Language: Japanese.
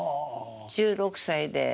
１６歳で。